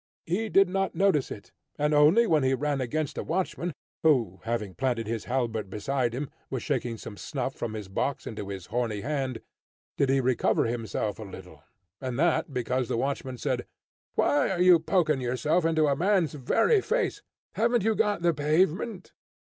He did not notice it, and only when he ran against a watchman, who, having planted his halberd beside him, was shaking some snuff from his box into his horny hand, did he recover himself a little, and that because the watchman said, "Why are you poking yourself into a man's very face? Haven't you the pavement?"